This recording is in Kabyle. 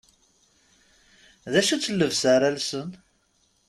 D acu-tt llebsa ara lsen.